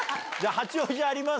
八王子あります？